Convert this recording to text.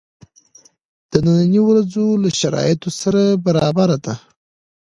د نني ورځی له شرایطو سره برابره ده.